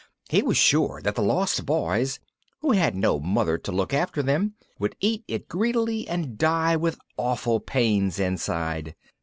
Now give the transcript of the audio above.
He was sure that the Lost Boys, who had no mother to look after them, would eat it greedily, and die with awful pains inside.